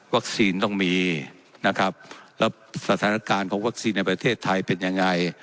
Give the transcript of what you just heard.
ต้องมีนะครับแล้วสถานการณ์ของวัคซีนในประเทศไทยเป็นยังไง